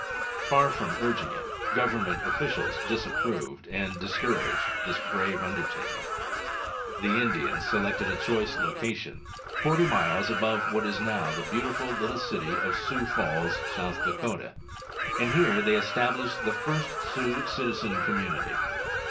Far from urging it, Government officials disapproved and discouraged this brave undertaking. The Indians selected a choice location, forty miles above what is now the beautiful little city of Sioux Falls, South Dakota, and here they established the first Sioux citizen community.